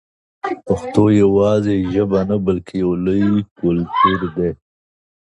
پښتو یوازې ژبه نه بلکې یو لوی کلتور دی.